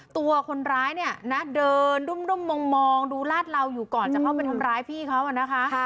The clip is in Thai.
ตัวคนร้ายเนี่ยนะเดินดุ่มมองดูลาดเหลาอยู่ก่อนจะเข้าไปทำร้ายพี่เขาอะนะคะ